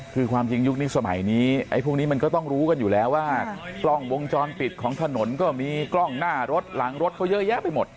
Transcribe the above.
คือความจริงยุคนี้สมัยนี้ไอ้พวกนี้มันก็ต้องรู้กันอยู่แล้วว่ากล้องวงจรปิดของถนนก็มีกล้องหน้ารถหลังรถเขาเยอะแยะไปหมด